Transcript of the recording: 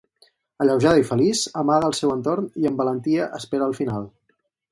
Alleujada i feliç, amaga al seu entorn i amb valentia espera el final.